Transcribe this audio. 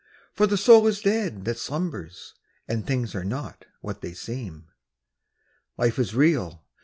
For the soul is dead that slumbers, And things are not what they seem. Life is real!